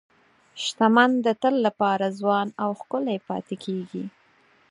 شتمن د تل لپاره ځوان او ښکلي پاتې کېږي.